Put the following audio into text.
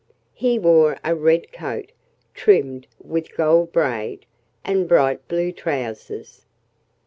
He wore a red coat trimmed with gold braid, and bright blue trousers.